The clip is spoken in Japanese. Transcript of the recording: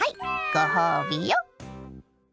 ご褒美よ。